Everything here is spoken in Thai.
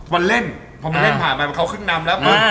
พอเล่นผ่านมาเขาขึ้นนำแล้ว